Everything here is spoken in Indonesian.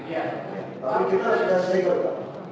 tapi kita sudah setiap